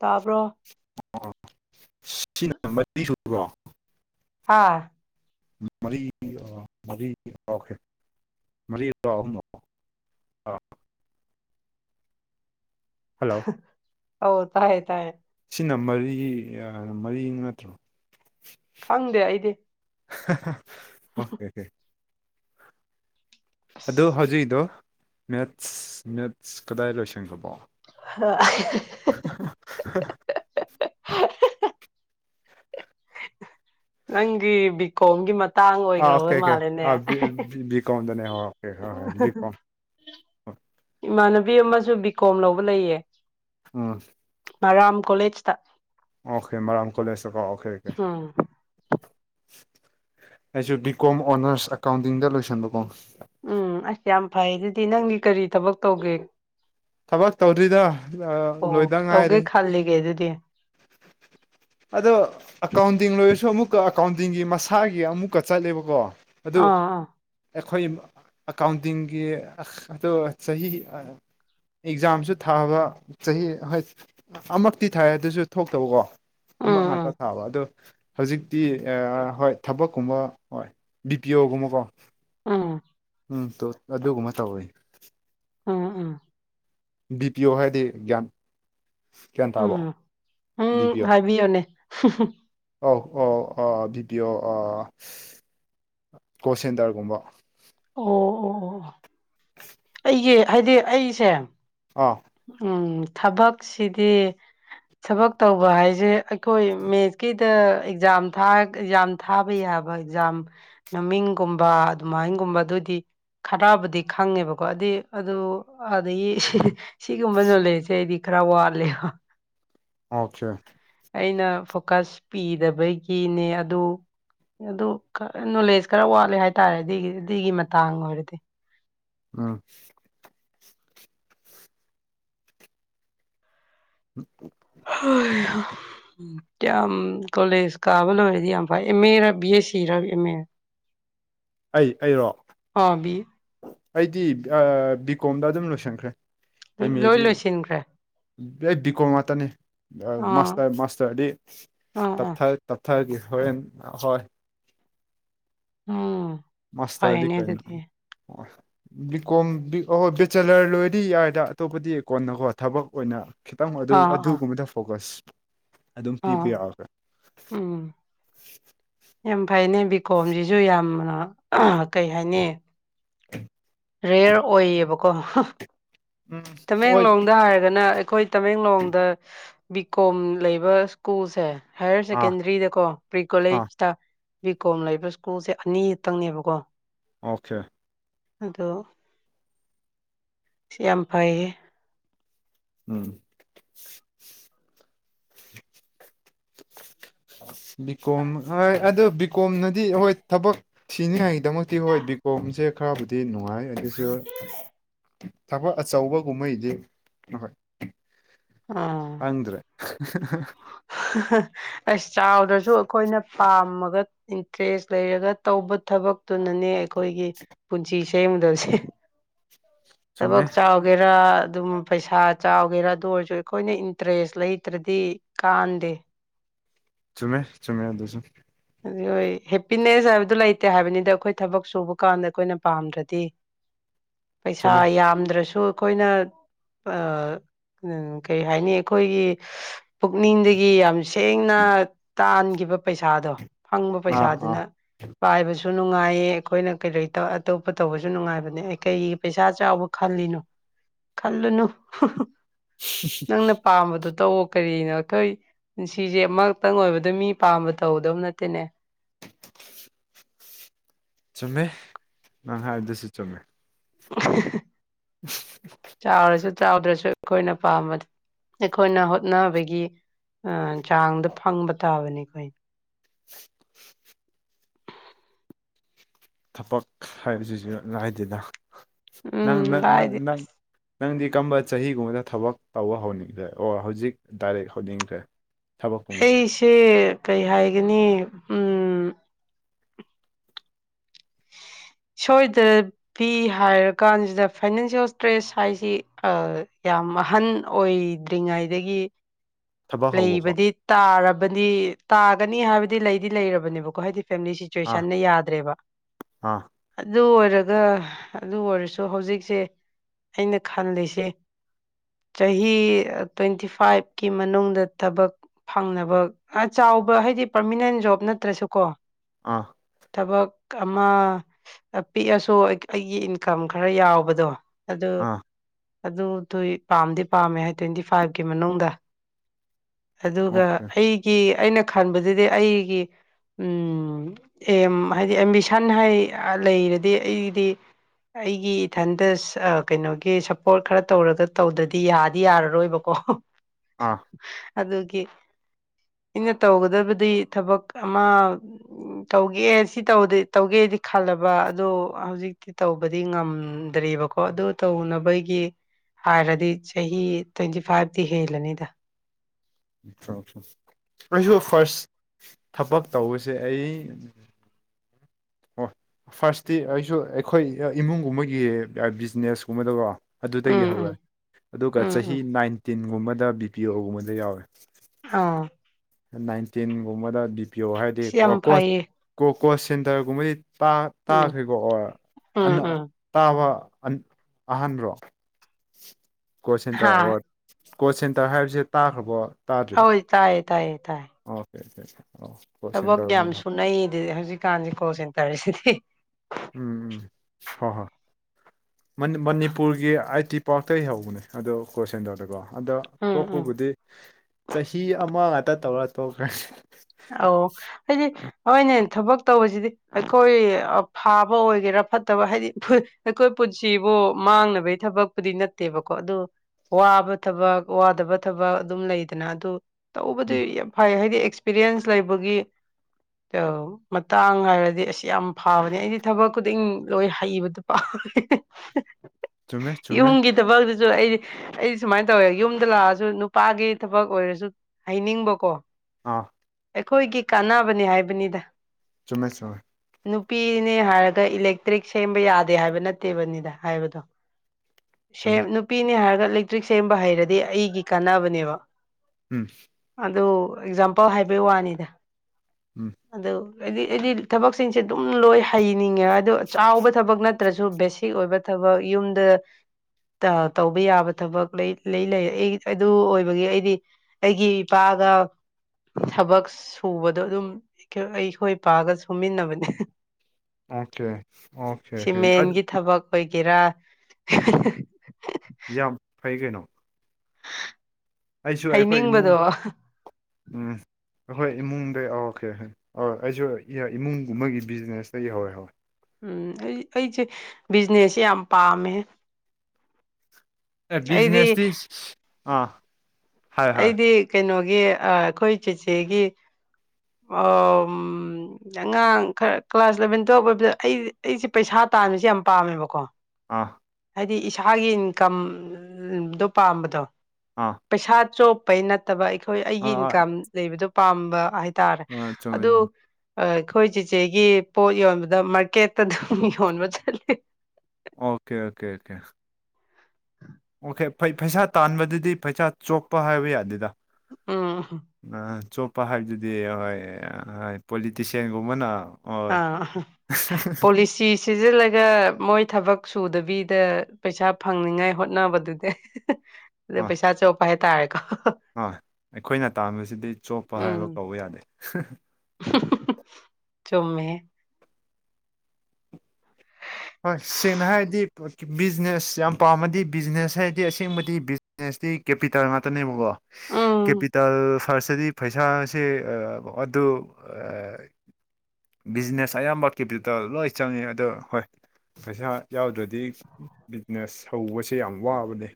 ꯇꯥꯕ꯭ꯔꯣ ꯑꯣ ꯁꯤꯅ ꯅꯝꯕꯔꯤ ꯁꯨꯔꯕ꯭ꯔꯣ ꯍꯥꯥ ꯃꯔꯤ ꯃꯔꯤ ꯃꯔꯤ ꯑ [inaudible] ꯍꯜꯂꯣ ꯍꯧ ꯇꯥꯏ ꯇꯥꯏ ꯁꯤꯅ ꯃꯔꯤ ꯃꯔꯤ ꯅꯠꯇ꯭ꯔꯣ ꯈꯪꯗꯦ ꯑꯩꯏꯗꯤ ꯑꯗꯨ ꯑꯁ ꯍꯧꯖꯤꯛ ꯏꯗꯣ ꯃꯦꯠꯁ ꯃꯦꯠꯁ ꯀꯗꯥꯏ ꯂꯣꯏꯁꯪꯈ꯭ꯔꯕꯣ ꯍ ꯅꯪꯒꯤ ꯀꯣꯝ ꯒꯤ ꯃ ꯇꯥꯡ ꯑꯥ ꯑꯣꯀꯦ ꯑꯣꯏꯈ꯭ꯔꯕꯣꯏ ꯑꯣꯀꯦ ꯃꯥꯂꯦꯅꯦ ꯑꯥ ꯕꯤ ꯕꯤ ꯕꯤ ꯀꯣꯝꯗꯅꯦ ꯍꯣꯏ ꯑꯣꯀꯦ ꯍꯣꯏ ꯍꯣꯏ ꯕꯤ ꯀꯣꯝ ꯏꯃꯥꯟꯅꯕꯤ ꯑꯃꯁꯨ ꯕꯤ ꯀꯣꯝ ꯂꯧꯕ ꯂꯩꯌꯦ ꯑ ꯃꯔꯔꯥꯝ ꯀꯣꯂꯦꯖꯇ ꯑꯣꯀꯦ ꯃꯔꯔꯝ ꯈꯂ ꯁꯀꯣ ꯑꯣꯀꯦꯀꯦ ꯎꯝ ꯑꯩꯁꯨ ꯕꯤ ꯀꯣꯝ ꯑꯣꯅꯔꯁ ꯑꯦꯀꯥꯎꯟꯗꯤꯤꯡꯗ ꯂꯣꯏꯁꯤꯟꯕꯀꯣ ꯎꯝ ꯑꯁ ꯌꯥꯝ ꯐꯩ ꯑꯗꯨꯗꯤ ꯅꯪꯒꯤ ꯀꯔꯤ ꯊꯕꯛ ꯇꯧꯒꯦ ꯊꯕꯛ ꯇꯧꯗ꯭ꯔꯤꯗ ꯑꯣ ꯂꯣꯏꯗꯪ ꯇꯧꯒꯦ ꯉꯥꯏꯔꯦ ꯈꯜꯂꯤꯒꯦ ꯑꯗꯨꯗꯤ ꯑꯗꯣ ꯑꯀꯥꯎꯟꯇꯤꯡ ꯂꯣꯏꯁꯨ ꯑꯃꯨꯛ ꯀꯥꯎꯟꯇꯤꯡꯒꯤ ꯃꯁꯥꯒꯤ ꯑꯃꯨꯛꯀ ꯆꯠꯂꯦꯕꯀꯣ ꯑꯗꯨ ꯑꯥ ꯑꯥ ꯑꯩꯈꯣꯏ ꯑꯦꯀꯥꯎꯟꯇꯤꯡꯒꯤ ꯆꯍꯤ ꯑꯦꯛꯖꯥꯝꯁꯨ ꯊꯥꯕ ꯆꯍꯤ ꯍ ꯑꯃꯛꯇꯤ ꯊꯥꯏ ꯑꯗꯨꯁꯨ ꯊꯣꯛꯇꯕꯀꯣ ꯑꯃ ꯎꯝ ꯍꯥ ꯎꯝ ꯇ ꯊꯥꯎꯕ ꯑꯗꯨ ꯍꯧꯖꯤꯛꯇꯤ ꯍꯣꯏ ꯊꯕꯛꯀꯨꯝꯕ ꯍꯣꯏ ꯕꯤ ꯄꯤ ꯑꯣꯒꯨꯝꯕꯀꯣ ꯎꯝ ꯎꯝ ꯑꯗꯨꯒꯨꯝꯕ ꯇꯧꯋꯤ ꯑꯥ ꯑꯥ ꯕꯤ ꯄꯤ ꯑꯣ ꯍꯥꯏꯗꯤ ꯭ꯥꯟ ꯎꯝ ꯄꯤ ꯎꯝ ꯑꯣ ꯍꯥꯏꯕꯤꯌꯨꯅꯦ ꯑꯧ ꯑꯥꯎ ꯑꯥ ꯕꯤ ꯄꯌ ꯀꯣ ꯁꯦꯟꯇꯔꯒꯨꯝꯕ ꯑꯣ ꯑꯣ ꯑꯣ ꯑꯩꯒꯤ ꯍꯥꯏꯗꯤ ꯑꯩꯁꯦ ꯑꯥ ꯎꯝ ꯊꯕꯛꯁꯤꯗꯤ ꯊꯕꯛ ꯇꯧꯕ ꯍꯥꯏꯁꯦ ꯑꯩꯈꯣꯏ ꯃꯦꯠꯁꯀꯤꯗ ꯑꯦꯛꯖꯥꯝ ꯑꯦꯛꯖꯥ ꯊꯥꯕ ꯌꯥꯕ ꯑꯦꯛꯖꯥꯝ ꯃꯃꯤꯡꯒꯨꯝꯕ ꯑꯗꯨꯃꯥꯏꯅꯒꯨꯝꯕ ꯑꯗꯨꯗꯤ ꯈꯔꯕꯨꯗꯤ ꯈꯪꯉꯦꯕꯀꯣ ꯑꯗꯨꯗꯤ ꯑꯗꯨ ꯑꯗꯒꯤ ꯁꯤꯒꯨꯝꯕ ꯅꯣꯂꯦꯖꯁꯦ ꯑꯩꯗꯤ ꯈꯔ ꯋꯥꯠꯂꯦꯕ ꯑꯣꯀꯦ ꯑꯩꯅ ꯐꯣꯀꯁ ꯄꯤꯗꯕꯒꯤꯅꯦ ꯑꯗꯨ ꯑꯗꯨ ꯅꯣꯂꯦꯖ ꯈꯔ ꯋꯥꯠꯂꯦ ꯍꯥꯏꯇꯥꯔꯦ ꯑꯗꯨꯒꯤ ꯑꯗꯨꯒꯤ ꯃꯇꯥꯡ ꯑꯣꯏꯔꯗꯤ ꯑꯥ ꯎꯝ ꯍ ꯌꯥꯝ ꯀꯣꯂꯦꯖ ꯀꯥꯕ ꯂꯣꯏꯔꯗꯤ ꯌꯥꯝ ꯐꯩ M R B S sir M A [inaudible] ꯑꯩ ꯑꯩꯔꯣ ꯑꯥ ꯕꯤ ꯑꯩꯗꯤ ꯕꯤ ꯀꯣꯝꯗ ꯑꯗꯨꯝ ꯂꯣꯏꯁꯟꯈ꯭ꯔꯦ ꯑꯦꯝ ꯂꯣꯏ ꯑꯦꯗꯤ ꯂꯣꯏꯁꯤꯟꯈ꯭ꯔꯦ ꯑꯩ ꯕꯤꯀꯣꯝ ꯉꯥꯛꯇꯅꯤ ꯑꯥ ꯃꯥꯁꯇꯔ ꯃꯥꯁꯇꯔꯗꯤ ꯑꯥ ꯑꯥ ꯇꯞꯊ ꯇꯞꯊꯔꯒꯦ ꯍꯣꯏ ꯍꯣꯏ ꯑ ꯃꯥꯁꯇꯔꯗꯤ ꯀꯥꯏꯅ ꯕꯤ ꯀꯣꯝꯕꯤ ꯑꯣꯏ ꯕꯦꯆꯦꯂꯔ ꯂꯣꯏꯔꯗꯤ ꯌꯥꯏꯗ ꯑꯇꯣꯞꯄꯗꯤ ꯀꯣꯟꯅꯀꯣ ꯊꯕꯛ ꯑꯣꯏꯅ ꯈꯤꯇꯪ ꯑꯥ ꯑꯥ ꯑꯗꯨꯒꯨꯝꯕꯗ ꯐꯣꯀꯁ ꯑꯗꯨꯝ ꯑꯥ ꯄꯤꯕ ꯌꯥꯎꯒꯦ ꯎꯝ ꯌꯥꯝ ꯐꯩꯅꯦ ꯕꯤ ꯀꯣꯝꯁꯤꯁꯨ ꯌꯥꯝꯅ ꯀꯩ ꯍꯥꯏꯅꯤ ꯔꯦꯌꯔ ꯑꯣꯏꯌꯦꯕꯀꯣ ꯎꯝ ꯍꯣꯏ ꯇꯃꯦꯡꯂꯣꯡꯗ ꯍꯥꯏꯔꯒꯅ ꯑꯩꯈꯣꯏ ꯇꯃꯦꯡꯂꯣꯡꯗ ꯕꯤ ꯀꯣꯝ ꯂꯩꯕ ꯁ꯭ꯀꯨꯜꯁꯦ ꯍꯥꯌꯔ ꯑꯥ ꯁꯦꯀꯦꯟꯗꯔꯤꯗꯀꯣ ꯄ꯭ꯔꯤ ꯑꯥ ꯀꯣꯂꯦꯖꯇ ꯕꯤ ꯀꯣꯝ ꯂꯩꯕ ꯁ꯭ꯀꯨꯜꯁꯦ ꯑꯅꯤꯛꯇꯪꯅꯦꯕꯀꯣ ꯑꯣꯀꯦ ꯑꯗꯣ ꯁꯤ ꯌꯥꯝ ꯐꯩꯌꯦ ꯎꯝ ꯕꯤꯀꯣꯝ ꯑꯗꯣ ꯕꯤꯀꯣꯝꯅꯗꯤ ꯍꯣꯏ ꯊꯕꯛ ꯁꯤꯅꯤꯉꯥꯏꯒꯤꯗꯃꯛꯇꯤ ꯍꯣꯏ ꯕꯤꯀꯣꯝ ꯁꯦ ꯈꯔꯕꯨꯗꯤ ꯅꯨꯡꯉꯥꯏ ꯑꯗꯨꯁꯨ ꯊꯕꯛ ꯑꯆꯧꯕ ꯀꯨꯝꯍꯩꯗꯤ ꯑꯣꯏ ꯑꯥ [inaudible] ꯑꯁ ꯆꯥꯎꯗ꯭ꯔꯁꯨ ꯑꯩꯈꯣꯏꯅ ꯄꯥꯝꯃꯒ ꯏꯟꯇꯔꯦꯁ ꯂꯩꯔꯒ ꯇꯧꯕ ꯊꯕꯛꯇꯨꯅꯅꯦ ꯑꯩꯈꯣꯏꯒꯤ ꯄꯨꯟꯁꯤꯁꯤ ꯁꯦꯝꯗꯧꯁꯦ ꯇ ꯆꯨꯝꯃꯦ ꯆꯥꯒꯦꯔ ꯔ ꯑꯗꯨꯝ ꯄꯩꯁꯥ ꯆꯥꯎꯒꯦꯔꯥ ꯑꯗꯨ ꯑꯣꯏꯔꯁꯨ ꯑꯩꯈꯣꯏꯅ ꯏꯟꯇꯔꯦꯁ ꯂꯩꯇ꯭ꯔꯗꯤ ꯀꯥꯟꯗꯦ ꯆꯨꯝꯃꯦ ꯆꯨꯝꯃꯦ ꯑꯗꯨꯁꯨꯨꯝ ꯑꯗꯨ ꯍꯣꯏ ꯍꯦꯄꯤꯅꯦꯁ ꯍꯥꯏꯕꯗꯨ ꯂꯩꯇꯦ ꯍꯥꯏꯕꯅꯤꯗ ꯑꯩꯈꯣꯏ ꯊꯕꯛ ꯁꯨꯕ ꯀꯥꯟꯗ ꯑꯩꯈꯣꯏꯅ ꯄꯥꯝꯗ꯭ꯔꯗꯤ ꯄꯩꯁꯥ ꯆꯨꯝꯃꯦ ꯌꯥꯝꯗ꯭ꯔꯁꯨ ꯑꯩꯈꯣꯏꯅ ꯀꯔꯤ ꯍꯥꯏꯅꯤ ꯑꯩꯈꯣꯏꯒꯤ ꯄꯨꯛꯅꯤꯡꯗꯒꯤ ꯌꯥꯝ ꯁꯦꯡꯅ ꯇꯥꯟꯈꯤꯕ ꯄꯩꯁꯥꯗꯣ ꯐꯪꯕ ꯑꯥ ꯑꯥ ꯄꯩꯁꯥꯗꯨꯅ ꯄꯥꯏꯕꯁꯨ ꯅꯨꯡꯉꯥꯏꯌꯦ ꯑꯩꯈꯣꯏꯅ ꯀꯩꯗ ꯑꯇꯣꯞꯄ ꯇꯧꯕꯁꯨ ꯅꯨꯡꯉꯥꯏꯕꯅꯦ ꯑꯩ ꯀꯩꯒꯤ ꯄꯩꯁꯥ ꯆꯥꯎꯕ ꯈ ꯈꯜꯂꯨꯅꯨ ꯅꯪꯅ ꯄꯥꯝꯕꯗꯨ ꯇꯧ ꯀꯔꯤꯅꯣ ꯑꯩꯈꯣꯏ ꯄꯨꯟꯁꯤꯁꯦ ꯑꯃꯥꯛꯇꯪ ꯑꯣꯏꯕꯗꯣ ꯃꯤ ꯄꯥꯝꯕ ꯇꯧꯒꯗꯧ ꯅꯠꯇꯦꯅꯦ ꯆꯨꯝꯃꯦ ꯅꯪ ꯍꯥꯏꯗꯨꯁꯨ ꯆꯨꯝꯃꯦ ꯆꯥꯎꯔꯁꯨ ꯆꯥꯎꯗ꯭ꯔꯁꯨ ꯑꯩꯈꯣꯏꯅ ꯄꯥꯝꯕꯗꯤ ꯑꯩꯈꯣꯏꯅ ꯍꯣꯠꯅꯕꯒꯤ ꯆꯥꯡꯗ ꯐꯪꯕ ꯇꯥꯕꯅꯤ ꯑꯩꯈꯣꯏ [unintelligible] [inaudible] ꯊꯕꯛ ꯍꯥꯏꯕꯁꯤꯁꯨ ꯉꯗꯦꯗ ꯅꯪ ꯎꯝ ꯂꯥꯏꯗꯤ ꯅꯪ ꯑꯁ ꯅꯪꯗꯤ ꯀꯔꯝꯕ ꯆꯍꯤꯒꯨꯝꯕꯗ ꯊꯕꯛ ꯇꯧꯕ ꯍꯧꯅꯤꯡꯗ꯭ꯔꯦ ꯑꯣ ꯍꯧꯖꯤꯛ ꯗꯥꯏꯔꯦꯛ ꯍꯧꯅꯤꯡꯗ꯭ꯔꯦ ꯑꯩꯁꯦ ꯀꯩ ꯍꯥꯏꯒꯅꯤ ꯎ ꯁꯣꯏꯗꯕꯤ ꯍꯥꯏꯔꯀꯥꯟꯁꯤꯗ ꯐꯥꯏꯅꯥꯟꯁꯤꯌꯦꯜ ꯏꯁꯇ꯭ꯔꯦꯁ ꯍꯥꯏꯁꯤ ꯌꯥꯝ ꯑꯍꯟ ꯑꯣꯏꯗ꯭ꯔꯤꯉꯩꯗꯒꯤ ꯊꯕꯛ ꯍꯧꯕꯀꯣ ꯂꯩꯕꯗꯤ ꯇꯥꯔꯕꯗꯤ ꯇꯥꯒꯅꯤ ꯍꯥꯏꯕꯗꯤ ꯂꯩꯗꯤ ꯂꯩꯔꯕꯅꯦꯕꯀꯣ ꯍꯥꯏꯗꯤ ꯐꯦꯃꯤꯂꯤ ꯑꯥ ꯁꯤꯆꯨꯋꯦꯁꯟꯅ ꯌꯥꯗ꯭ꯔꯦꯕ ꯑꯥ ꯑꯗꯨ ꯑꯣꯏꯔꯒ ꯑꯗꯨ ꯑꯣꯏꯔꯁꯨ ꯍꯧꯖꯤꯛꯁꯦ ꯑꯩꯅ ꯈꯜꯂꯤꯁꯦ ꯆꯍꯤ ꯇ꯭ꯋꯦꯟꯇꯤ ꯐꯥꯏꯚꯀꯤ ꯃꯅꯨꯡꯗ ꯊꯕꯛ ꯐꯪꯅꯕ ꯆꯥꯎꯕ ꯍꯥꯏꯗꯤ ꯄꯥꯔꯃꯤꯅꯦꯟ ꯖꯣꯕ ꯅꯠꯇ꯭ꯔꯁꯨ ꯀꯣ ꯑꯥ ꯊꯕꯛ ꯑꯃ ꯄꯤꯛꯑꯁꯨ ꯑꯩꯒꯤ ꯏꯟꯀꯝ ꯈꯔ ꯌꯥꯎꯕꯗꯣ ꯑꯗꯨ ꯑꯥ ꯑꯗꯨꯏ ꯄꯥꯝꯗꯤ ꯄꯥꯝꯃꯦ ꯍꯥꯏ ꯇ꯭ꯋꯦꯟꯇꯤ ꯐꯥꯏꯚꯀꯤ ꯃꯅꯨꯡꯗ ꯑꯗꯨꯒ ꯑꯣꯀꯦ ꯑꯩꯒꯤ ꯑꯩꯅ ꯈꯟꯕꯗꯨꯗꯤ ꯑꯩꯒꯤ ꯑꯦꯝ ꯍꯥꯏꯗꯤ ꯑꯦꯝꯕꯤꯁꯟ ꯍꯥꯏ ꯂꯩꯔꯗꯤ ꯑꯩꯒꯤꯗꯤ ꯑꯩꯒꯤ ꯏꯊꯟꯗ ꯀꯩꯅꯣꯒꯤ ꯁꯞꯄꯣꯔꯠ ꯈꯔ ꯇꯧꯔꯒ ꯇꯧꯗꯗꯤ ꯌꯥꯗꯤ ꯌꯥꯔꯔꯣꯏꯕꯀꯣ ꯑꯣ ꯑꯥ ꯑꯗꯨꯒꯤ ꯑꯩꯅ ꯇꯧꯒꯗꯕꯗꯤ ꯊꯕꯛ ꯑꯃ ꯎ ꯇꯧꯒꯦ ꯁꯤ ꯇꯧ ꯇꯧꯒꯦꯗꯤ ꯈꯜꯂꯕ ꯑꯗꯣ ꯍꯧꯖꯤꯛꯇꯤ ꯇꯧꯕꯗꯤ ꯉꯝꯗ꯭ꯦꯔꯤꯕꯀꯣ ꯑꯗꯨ ꯇꯧꯅꯕꯒꯤ ꯍꯥꯏꯔꯗꯤ ꯆꯍꯤ ꯇ꯭ꯋꯦꯟꯇꯤ ꯐꯥꯏꯚꯇꯤ ꯍꯦꯜꯂꯅꯤꯗ ꯀꯁꯨꯁꯨ ꯐꯥꯔꯁ ꯊꯕꯛ ꯇꯧꯕꯁꯦ ꯑꯩ ꯑꯣ [inaudible] ꯐꯥꯔꯁꯇꯤ ꯑꯩꯁꯨ ꯑꯩꯈꯣꯏ ꯏꯃꯨꯡꯒꯨꯝꯕꯒꯤ ꯕꯤꯖꯤꯅꯦꯁꯀꯨꯝꯕꯗꯀꯣ ꯑꯗꯨꯗꯒꯤ ꯎꯝ ꯍꯧꯔꯣꯏ ꯎꯝ ꯑꯗꯨꯒ ꯎꯝ ꯆꯍꯤ ꯎꯝ ꯅꯥꯏꯟꯇꯤꯟꯒꯨꯝꯕꯗ ꯕꯤ ꯄꯤ ꯑꯣꯒꯨꯝꯕꯗ ꯌꯥꯎꯔꯦ ꯑꯥ ꯅꯥꯏꯟꯇꯤꯟꯒꯨꯝꯕꯗ ꯗꯤ ꯄꯤ ꯑꯣ ꯍꯥꯏꯔꯗꯤ ꯁꯤ ꯌꯥꯝ ꯐꯩꯌꯦ ꯀꯣꯆꯣ ꯀꯣꯁ ꯁꯦꯟꯇꯔꯒꯨꯝꯕꯗꯤ ꯎꯝ ꯇꯥꯈꯦꯀꯣ ꯑꯣꯔ ꯎꯝ ꯎꯝ ꯇꯥꯕ ꯑꯍꯥꯟꯕꯔꯣ ꯀꯣꯆ ꯁꯦꯟꯇꯔ ꯍꯥ ꯑꯣꯔ ꯀꯣꯆ ꯁꯦꯟꯇꯔ ꯍꯥꯏꯕꯁꯦ ꯇꯥꯈ꯭ꯔꯕꯣ ꯍ ꯇꯥꯏ ꯇꯥꯏ ꯇꯥꯏ ꯐ ꯐ ꯊꯕꯛ ꯌꯥꯝ ꯁꯨꯅꯩꯗꯤꯗꯤ ꯍꯧꯖꯤꯛꯀꯥꯟꯁꯤ ꯀꯣ ꯁꯤꯟ ꯇꯔꯤꯁꯤꯗꯤ ꯎꯝ ꯎꯝ ꯍꯣ ꯍꯣ ꯃꯅꯤꯄꯨꯔꯒꯤ ꯑꯥꯏ ꯇꯤ ꯄꯥꯔꯛꯇ ꯍꯧꯕꯅꯦ ꯑꯗꯣ ꯀꯣꯁꯦꯟꯗꯣꯗ ꯀꯣ ꯑꯗ ꯎꯝ ꯎꯝ ꯇꯣꯛꯄꯕꯨꯗꯤ ꯆꯍꯤ ꯑꯃ ꯉꯥꯛꯇ ꯇꯧꯔꯒ ꯇꯣꯛꯈ꯭ꯔꯦ ꯑꯣ ꯑꯩꯗꯤ ꯍꯣꯏꯅꯦ ꯊꯕꯛ ꯇꯧꯕꯁꯤꯗꯤ ꯑꯩꯈꯣꯏ ꯐꯥꯕ ꯑꯣꯏꯒꯦꯔꯥ ꯐꯠꯇꯕ ꯍꯥꯏꯗꯤ ꯑꯩꯈꯣꯏ ꯄꯨꯟꯁꯤꯕꯨ ꯃꯥꯡꯅꯕꯒꯤ ꯊꯕꯛꯄꯨꯗꯤ ꯅꯠꯇꯦꯕꯀꯣ ꯑꯗꯨ ꯋꯥꯕ ꯊꯕꯛ ꯋꯥꯗꯕ ꯊꯕꯛ ꯑꯗꯨꯝ ꯂꯩꯗꯅ ꯑꯗꯨ ꯇꯧꯕꯗꯤ ꯎꯝ ꯌꯥꯝ ꯐꯩ ꯍꯥꯏꯗꯤ ꯑꯦꯛꯁꯄꯤꯔꯤꯌꯦꯟꯁ ꯂꯩꯕꯒꯤ ꯃꯇꯥꯡ ꯍꯥꯏꯔꯗꯤ ꯑꯁꯤ ꯌꯥꯝ ꯐꯕꯅꯦ ꯑꯩꯗꯤ ꯊꯕꯛ ꯈꯨꯗꯤꯡ ꯂꯣꯏ ꯍꯩꯕꯗꯨ ꯄ ꯆꯨꯝꯃꯦ ꯆꯨꯝꯃꯦ ꯌꯨꯝꯒꯤ ꯊꯕꯛ ꯑꯗꯨ ꯑꯩꯗꯤ ꯑꯩꯗꯤ ꯁꯨꯃꯥꯏꯅ ꯇꯧꯋꯦ ꯌꯨꯝꯗ ꯂꯥꯛꯑꯁꯨ ꯅꯨꯄꯥꯒꯤ ꯊꯕꯛ ꯑꯣꯏꯔꯁꯨ ꯍꯩꯅꯤꯡꯕꯀꯣ ꯑ ꯑꯩꯈꯣꯏꯒꯤ ꯀꯥꯟꯅꯕꯅꯤ ꯍꯥꯏꯕꯅꯤꯗ ꯆꯃꯦ ꯁꯦ ꯅꯨꯄꯤꯅꯦ ꯍꯥꯏꯔꯒ ꯏꯂꯦꯛꯇ꯭ꯔꯤꯛ ꯁꯦꯝꯕ ꯌꯥꯗꯦ ꯍꯥꯏꯕ ꯅꯠꯇꯦꯕꯅꯤꯗ ꯍꯥꯏꯕꯗꯣ ꯆꯨꯝꯃꯦ ꯅꯨꯄꯤꯅꯦ ꯍꯥꯏꯔꯒ ꯏꯂꯦꯛꯇ꯭ꯔꯤꯛ ꯁꯦꯝꯕ ꯍꯩꯔꯗꯤ ꯑꯩꯒꯤ ꯀꯥꯟꯅꯕꯅꯦꯕ ꯎꯝ ꯑꯗꯨ ꯑꯦꯛꯖꯥꯝꯄꯜ ꯍꯥꯏꯕꯩ ꯋꯥꯅꯤꯗ ꯎꯝ ꯑꯗꯨ ꯍꯥꯏꯗꯤ ꯍꯥꯏꯗꯤ ꯊꯕꯛꯁꯤꯡꯁꯦ ꯑꯗꯨꯝ ꯂꯣꯏ ꯍꯩꯅꯤꯡꯉꯦ ꯑꯗꯣ ꯆꯥꯎꯕ ꯊꯕꯛ ꯅꯠꯇ ꯅꯠꯇ꯭ꯔꯁꯨ ꯕꯦꯁꯤꯛ ꯑꯣꯏꯕ ꯊꯕꯛ ꯌꯨꯝꯗ ꯇꯧꯕ ꯌꯥꯕ ꯊꯕꯛ ꯂꯩ ꯂꯩ ꯑꯩ ꯑꯗꯨ ꯑꯣꯏꯕꯒꯤ ꯑꯩꯗꯤ ꯑꯩꯒꯤ ꯏꯄꯥ ꯑꯗꯥꯎ ꯊꯕꯛ ꯁꯨꯕꯗꯣ ꯑꯗꯨꯝ ꯑꯩꯈꯣꯏ ꯄꯥꯒ ꯁꯨꯃꯤꯟꯅꯕꯅꯦ ꯑꯣꯀꯦ ꯑꯣꯀꯦ ꯑꯣꯦ ꯑꯣꯏꯣꯏꯒꯦꯔꯥ ꯌꯥꯝ ꯐꯩ ꯀꯩꯅꯣ ꯑꯩꯁꯨ ꯑꯩꯈꯣꯏ ꯏꯃꯨꯡ ꯍꯩꯅꯤꯡꯕꯗꯣ ꯎꯝ ꯑꯩꯈꯣꯏ ꯏꯃꯨꯡꯗ ꯌꯥꯧꯔꯛꯀꯦ ꯑꯩꯁꯨ ꯏꯃꯨꯡꯒꯨꯝꯕꯒꯤ ꯕꯤꯖꯤꯅꯦꯁꯇ ꯌꯍꯧꯔꯦ ꯍꯧꯋꯦ ꯎꯝ ꯑꯩ ꯑꯩꯁꯦ ꯕꯤꯖꯤꯅꯦꯁꯁꯦ ꯌꯥꯝ ꯄꯥꯝꯃꯦ ꯑꯦ ꯑꯩꯗꯤ ꯕꯤꯖꯤꯅꯦꯁꯇ ꯑꯥ ꯍꯥꯏ ꯍꯥꯏ ꯑꯩꯗꯤ ꯀꯩꯅꯣꯒꯤ ꯑꯩꯈꯣꯏ ꯆꯤꯆꯦꯒꯤ ꯑꯣ ꯑꯉꯥꯡ ꯈꯔ ꯀ꯭ꯂꯥꯁ ꯏꯂꯚꯦꯟ ꯇꯋꯞ ꯑꯣꯏꯕꯗ ꯑꯩ ꯑꯩꯁꯤ ꯄꯩꯁꯥ ꯇꯥꯟꯃꯤꯁꯦ ꯌꯥꯝ ꯄꯥꯝꯃꯦꯕꯀꯣ ꯑ ꯍꯥꯏꯗꯤ ꯏꯁꯥꯒꯤ ꯏꯟꯀꯝꯗꯣ ꯄꯥꯝꯕꯗꯣ ꯑꯥ ꯄꯩꯁꯥ ꯑꯆꯣꯞꯄꯩ ꯅꯠꯇꯕ ꯑꯩꯈꯣꯏ ꯑꯩꯒꯤ ꯑꯥ ꯏꯟꯀꯝ ꯂꯩꯕꯗꯣ ꯄꯥꯝꯕ ꯍꯥꯏꯇꯥꯔꯦ ꯑꯥ ꯆꯨꯝꯃꯦ ꯑꯗꯨ ꯆꯨꯝꯃꯦ ꯑꯩꯈꯣꯏ ꯆꯤꯆꯦꯒꯤ ꯄꯣꯠ ꯌꯣꯟꯕꯗ ꯃꯥꯔꯀꯦꯠꯇ ꯑꯗꯨꯝ ꯌꯣꯟꯕ ꯆꯠꯂ ꯑꯣꯀꯦ ꯑꯣꯀꯦ ꯑꯣꯀꯦ ꯑꯣꯀꯦ ꯄꯩꯁꯥ ꯇꯥꯟꯕꯗꯨꯗꯤ ꯄꯩꯁꯥ ꯆꯣꯛꯄ ꯍꯥꯏꯕ ꯌꯥꯗꯦꯗ ꯑ ꯑ ꯆꯣꯞꯄ ꯍꯥꯏꯕꯗꯨꯗꯤ ꯍꯣꯏ ꯄꯣꯂꯤꯇꯤꯁꯤꯌꯥꯟꯒꯨꯝꯕꯅ ꯍꯣꯏ ꯑ ꯄꯣꯂꯤꯁꯤꯁꯤꯁ ꯁꯤꯒ ꯃꯣꯏ ꯊꯕꯛ ꯁꯨꯗꯕꯤꯗ ꯄꯩꯁꯥ ꯐꯪꯅꯤꯉꯥꯏ ꯍꯣꯠꯅꯕꯗꯨꯗꯤ ꯑꯗꯨꯗ ꯄꯩꯁꯥ ꯆ ꯎꯄꯥ ꯍꯥꯏ ꯇꯥ ꯑ ꯑꯩꯈꯣꯏꯅ ꯇꯕꯁꯤꯗꯤ ꯆꯣꯞꯄ ꯍꯥꯏꯕ ꯎꯝ ꯀꯧꯕ ꯌꯥꯗꯦ ꯆꯨꯝꯃꯦ ꯍꯣꯏ ꯁꯦꯡꯅ ꯍꯥꯏꯔꯗꯤ ꯕꯤꯖꯤꯅꯦꯁ ꯌꯥꯝ ꯄꯥꯝꯃꯗꯤ ꯕꯤꯖꯤꯅꯦꯁ ꯍꯥꯏꯔꯗꯤ ꯑꯁꯦꯡꯕꯗꯤ ꯕꯤꯖꯤꯅꯦꯁ ꯀꯦꯄꯤꯇꯥꯜ ꯉꯥꯛꯇꯅꯦꯕꯀꯣ ꯎꯝ ꯀꯦꯄꯤꯇꯥꯜ ꯐꯔꯁꯇꯗꯤ ꯄꯩꯁꯥꯁꯦ ꯑꯗꯨ ꯕꯤꯖꯤꯅꯦꯁ ꯑꯌꯥꯝꯕ ꯀꯦꯄꯤꯇꯜ ꯂꯣꯏ ꯆꯪꯉꯦ ꯑꯗꯣ ꯍꯣꯏ ꯄꯩꯁꯥ ꯌꯥꯎꯗ꯭ꯔꯗꯤ ꯕꯤꯖꯤꯅꯦꯁ ꯍꯧꯕꯁꯦ ꯌꯥꯝ ꯋꯥꯕꯅꯦ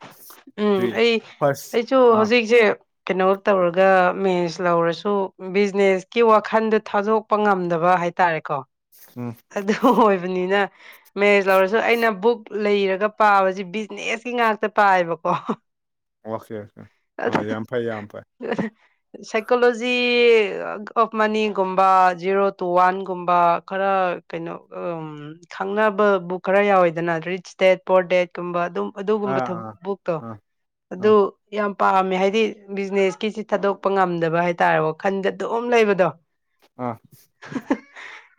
ꯎꯝ ꯑꯗꯨꯒꯤ ꯑꯩ ꯐꯥꯔꯁ ꯑꯩꯁꯨ ꯑꯥ ꯍꯧꯖꯤꯛꯁꯦ ꯀꯩꯅꯣ ꯇꯧꯔꯒ ꯃꯦꯟꯁ ꯂꯧꯔꯁꯨ ꯕꯤꯖꯤꯅꯦꯁꯀꯤ ꯋꯥꯈꯟꯗꯣ ꯊꯥꯗꯣꯛꯄ ꯉꯝꯗꯕ ꯍꯥꯏ ꯍꯥꯏꯇꯥꯔꯦꯀꯣ ꯎꯝ ꯑꯗꯨ ꯑꯣꯏꯕꯅꯤꯅ ꯃꯦꯖ ꯂꯧꯔꯁꯨ ꯑꯩꯅ ꯕꯨꯛ ꯂꯩꯔꯒ ꯄꯥꯕꯁꯤ ꯕꯤꯖꯤꯅꯦꯁꯀꯤ ꯉꯥꯛꯇ ꯇꯥꯏꯕ ꯀꯣ ꯑꯣꯀꯦ ꯑꯣꯀꯦ ꯌꯥꯝ ꯐꯩ ꯌꯥꯝ ꯐꯩ ꯁꯥꯏꯀꯣꯂꯣꯖꯤ ꯑꯣꯐ ꯃꯅꯤꯒꯨꯝꯕ ꯖꯦꯔꯣ ꯇꯨ ꯋꯥꯟꯒꯨꯝꯕ ꯈꯔ ꯀꯩꯅꯣ ꯈꯪꯅꯕ ꯕꯨꯛ ꯈꯔ ꯌꯥꯎꯋꯦꯗꯅ ꯔꯤꯆ ꯗꯦꯠ ꯄꯣꯔ ꯗꯦꯠꯀꯨꯝꯕ ꯑꯗꯨꯝ ꯑꯗꯨꯒꯨꯝꯕ ꯑꯥ ꯊꯕ ꯑꯥ ꯛꯇꯣ ꯑꯥ ꯑꯗꯨ ꯑꯥ ꯌꯥꯝ ꯄꯥꯝꯃꯦ ꯍꯥꯏꯗꯤ ꯕꯤꯖꯤꯅꯦꯁꯀꯤꯁꯤ ꯊꯥꯗꯣꯛꯄ ꯉꯝꯗꯕ ꯍꯥꯏꯇꯥꯔꯦꯀꯣ ꯈꯟꯗ ꯑꯗꯨꯝ ꯂꯩꯕꯗꯣ ꯑꯥ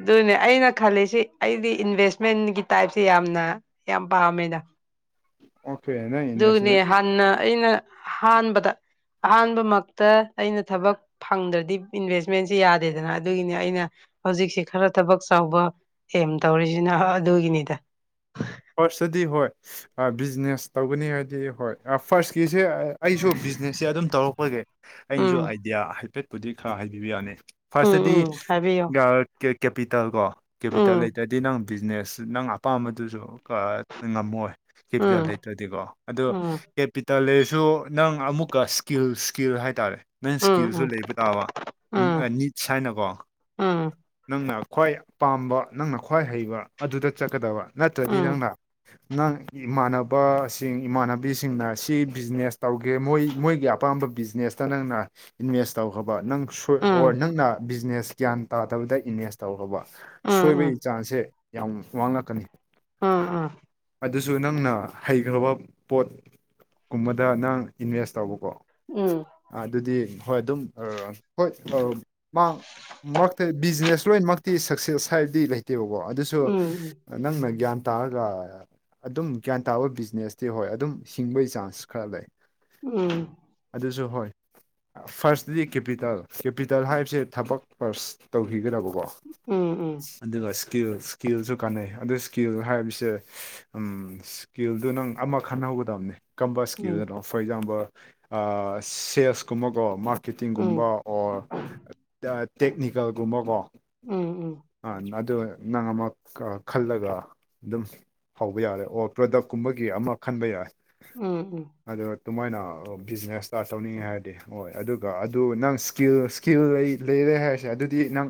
ꯑꯗꯨꯅꯦ ꯑꯩꯅ ꯈꯜꯂꯤꯁꯤ ꯑꯩꯗꯤ ꯏꯟꯚꯦꯁꯃꯦꯟꯒꯤ ꯇꯥꯏꯞꯁꯤ ꯌꯥꯝꯅ ꯌꯥꯝ ꯄꯥꯝꯃꯦ [unintelligible] ꯑꯣꯀꯦ ꯅꯪ ꯑꯗꯨꯅꯦ ꯏꯟꯚꯦꯁꯃꯦꯟ ꯍꯥꯟꯅ ꯑꯩꯅ ꯑꯍꯥꯟꯕꯗ ꯑꯍꯥꯟꯕ ꯃꯛꯇ ꯑꯩꯅ ꯊꯕꯛ ꯐꯪꯗ꯭ꯔꯗꯤ ꯏꯟꯚꯦꯁꯃꯦꯟꯁꯤ ꯌꯥꯗꯦꯗꯅ ꯑꯗꯨꯒꯤꯅꯤ ꯑꯩꯅ ꯍꯧꯖꯤꯛꯁꯤ ꯈꯔ ꯊꯕꯛ ꯆꯥꯎꯕ ꯑꯦꯝ ꯇꯧꯔꯤꯁꯤꯅ ꯑꯗꯨꯒꯤꯅꯤꯗ ꯐꯥꯔꯁꯇꯗꯤ ꯍꯣꯏ ꯕꯤꯖꯤꯅꯦꯁ ꯇꯧꯒꯅꯤ ꯍꯥꯏꯗꯤ ꯍꯣꯏ ꯐꯥꯔꯁꯀꯤ ꯁꯦ ꯑꯩꯁꯨ ꯕꯤꯖꯤꯅꯦꯁꯁꯦ ꯑꯗꯨꯝ ꯇꯧꯔꯛꯄꯒꯤ ꯑꯩꯅꯁꯨ ꯎꯝ ꯑꯥꯏꯗꯤꯌꯥ ꯍꯥꯏꯐꯦꯠꯄꯨꯗꯤ ꯈꯔ ꯍꯥꯏꯕꯤꯕ ꯌꯥꯅꯤ ꯎꯝ ꯐꯔꯁꯗꯤ ꯎꯝ ꯍꯥꯏꯕꯤꯌꯣ ꯀꯦꯄꯤꯇꯦꯜ ꯀꯣ ꯀꯦꯄꯤꯇꯦꯜ ꯎꯝ ꯂꯩꯇ꯭ꯔꯗꯤ ꯅꯪ ꯕꯤꯖꯤꯅꯦꯁ ꯅꯪ ꯑꯄꯥꯝꯕꯗꯨꯁꯨ ꯉꯝꯃꯣꯏ ꯀꯦꯄꯤꯇꯦꯜ ꯎꯝ ꯂꯩꯇ꯭ꯔꯗꯤꯀꯣ ꯑꯗꯣ ꯎꯝ ꯇꯂꯔꯁꯨ ꯅꯪ ꯑꯃꯨꯛꯀ ꯁ꯭ꯀꯤꯜ ꯁ꯭ꯀꯤꯜ ꯍꯥꯏꯇꯥꯔꯦ ꯅꯪ ꯎꯝ ꯏꯁ꯭ꯀꯤꯜꯁꯨ ꯎꯝ ꯂꯩꯕ ꯇꯥꯕ ꯎꯝ ꯅꯤꯠꯁ ꯍꯥꯏꯅꯀꯣ ꯎꯝ ꯅꯪꯅ ꯈ꯭ꯋꯥꯏ ꯄꯥꯝꯕ ꯅꯪꯅ ꯈ꯭ꯋꯥꯏ ꯍꯩꯕ ꯑꯗꯨꯗ ꯆꯠꯀꯗꯕ ꯅꯠꯇ꯭ꯔꯗꯤ ꯎꯝ ꯅꯪꯅ ꯅꯪ ꯏꯃꯥꯟꯅꯕꯁꯤꯡ ꯏꯃꯥꯟꯅꯕꯤꯁꯤꯡꯅ ꯁꯤ ꯕꯤꯖꯤꯅꯦꯁ ꯇꯧꯒꯦ ꯃꯣꯏ ꯃꯣꯏꯒꯤ ꯑꯄꯥꯝꯕ ꯕꯤꯖꯤꯅꯦꯁꯇ ꯅꯪꯅ ꯏꯟꯚꯦꯁ ꯇꯧꯈ꯭ꯔꯕ ꯅꯪ ꯑꯣꯔ ꯎꯝ ꯅꯪꯅ ꯕꯤꯖꯤꯅꯦꯁ ꯒ꯭ꯌꯥꯟ ꯇꯥꯗꯕꯗ ꯏꯟꯚꯦꯁ ꯇꯧꯔꯕ ꯎꯝ ꯎꯝ ꯎꯝ ꯎꯝ ꯁꯣꯏꯕꯒꯤ ꯆꯥꯡꯁꯦ ꯌꯥꯝ ꯋꯥꯉꯛꯀꯅꯤ ꯑꯥ ꯑꯥ ꯑꯗꯨꯁꯨ ꯅꯪꯅ ꯍꯩꯈ꯭ꯔꯕ ꯄꯣꯠ ꯀꯨꯝꯕꯗ ꯅꯪ ꯏꯟꯚꯦꯁ ꯇꯧꯕ ꯀ ꯎꯝ ꯎꯝ ꯑꯗꯨꯗꯤ ꯍꯣꯏ ꯑꯗꯨꯝ ꯍꯣꯏ ꯃꯥ ꯃꯔꯛꯇ ꯕꯤꯖꯤꯅꯦꯁ ꯂꯣꯏꯅꯃꯛꯇꯤ ꯁꯛꯁꯦꯁ ꯍꯥꯏꯕꯗꯤ ꯂꯩꯇ ꯠꯇꯦꯕꯀꯣ ꯑꯗꯨꯁꯨ ꯎꯝ ꯎꯝ ꯎꯝ ꯅꯪꯅ ꯒ꯭ꯌꯥꯟ ꯇꯥꯔꯒ ꯑꯗꯨꯝ ꯒ꯭ꯌꯥꯟ ꯇꯥꯕ ꯕꯤꯖꯤꯅꯦꯁꯇꯤ ꯍꯣꯏ ꯑꯗꯨꯝ ꯍꯤꯡꯕꯒꯤ ꯆꯥꯟꯁ ꯈꯔ ꯂꯩ ꯎꯝ ꯁꯨ ꯍꯣꯏ ꯐꯥꯔꯁꯇꯗꯤ ꯀꯦꯄꯤꯇꯦꯜ ꯀꯦꯄꯤꯇꯦꯜ ꯍꯥꯏꯕꯁꯦ ꯊꯕꯛ ꯐꯔꯁ ꯇꯧꯈꯤꯒ꯭ꯔꯕ ꯑꯗꯨꯒ ꯏꯁꯀꯤꯜ ꯏꯁꯀꯤꯜꯁꯨ ꯀꯥꯟꯅꯩ ꯑꯗꯨ ꯏꯁꯀꯤꯜ ꯍꯥꯏꯕꯁꯦ ꯎ ꯏꯁꯀꯤꯜꯗꯨ ꯅꯪ ꯑꯃ ꯈꯟꯅꯍꯧꯒꯗꯕꯅꯤ ꯀꯝꯄꯁꯀꯤꯣ ꯐꯣꯔ ꯑꯦꯛꯖꯥꯝꯄꯜ ꯁꯦꯜꯁ ꯀꯨꯝꯕꯀꯣ ꯃꯥ ꯀꯤꯇꯤꯡꯒꯨꯝꯕ ꯑꯣꯔ ꯇꯦꯛꯅꯤꯀꯦꯜꯒꯨꯝꯕꯀꯣ ꯎꯝ ꯎꯝ ꯎꯝ ꯑ ꯑꯗꯨ ꯅꯪ ꯑꯃꯛ ꯈꯜꯂꯒ ꯑꯗꯨꯝ ꯐꯥꯎꯕ ꯌꯥꯔꯦ ꯑꯣ ꯄ꯭ꯔꯗꯛ ꯀꯨꯝꯕꯒꯤ ꯑꯃ ꯈꯟꯕ ꯌꯥꯔꯦ ꯎꯝ ꯎꯝ ꯑꯗꯨꯃꯥꯏꯅ ꯕꯤꯖꯤꯅꯦꯁ ꯁ꯭ꯇꯥꯔꯠ ꯇꯧꯅꯤꯡꯉꯦ ꯍꯥꯏꯔꯗꯤ ꯍꯣꯏ ꯑꯗꯨꯒ ꯑꯗꯨ ꯅꯪ ꯁ꯭ꯀꯤꯜ ꯁ꯭ꯀꯤꯜ ꯑꯩ ꯂꯩ ꯑꯗꯨꯦ ꯍꯥꯏꯔꯁꯦ ꯑꯗꯨꯗꯤ ꯅꯪ